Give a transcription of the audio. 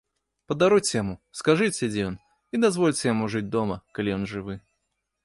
Падаруйце яму, скажыце, дзе ён, і дазвольце яму жыць дома, калі ён жывы.